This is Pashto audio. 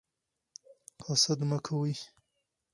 حسد مه کوئ.